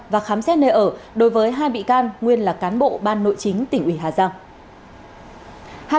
và khám xét nơi ở đối với hai bị can nguyên là cán bộ ban nội chính tỉnh ủy hà giang